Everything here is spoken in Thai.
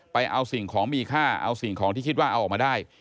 เอาสิ่งของมีค่าเอาสิ่งของที่คิดว่าเอาออกมาได้